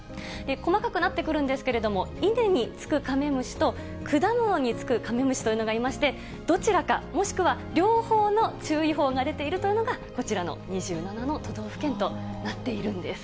細かくなってくるんですけれども、稲につくカメムシと、果物につくカメムシというのがいまして、どちらか、もしくは両方の注意報が出ているというのが、こちらの２７の都道府県となっているんです。